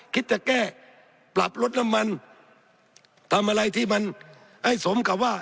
คิดจะแก้ปรับลดน้ำมันทำอะไรที่มันให้สมกับว่า